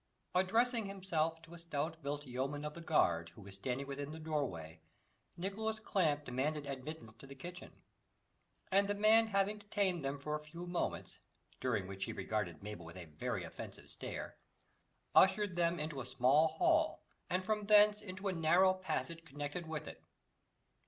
Addressing himself to a stout built yeoman of the guard, who was standing within the doorway, Nicholas Clamp demanded admittance to the kitchen, and the man having detained them for a few moments, during which he regarded Mabel with a very offensive stare, ushered them into a small hall, and from thence into a narrow passage connected with it.